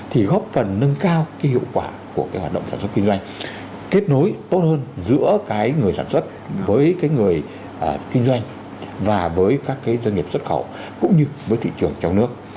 thì góp phần nâng cao hiệu quả của hoạt động sản xuất kinh doanh kết nối tốt hơn giữa người sản xuất với người kinh doanh và với các doanh nghiệp xuất khẩu cũng như với thị trường trong nước